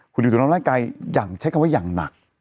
คุณดิวถูกทำร้ายร่างกายใช้คำว่าอย่างหนัก